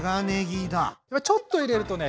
これちょっと入れるとね